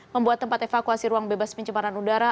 membuat tempat evakuasi ruang bebas pencemaran udara